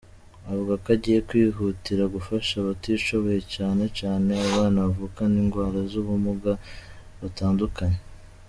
Avuga ko agiye kwihutira gufasha abatishoboye cane cane abana bavukana ingwara z’ubumuga butandukanye.